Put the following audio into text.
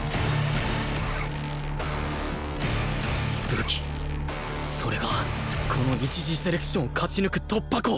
武器それがこの一次セレクションを勝ち抜く突破口！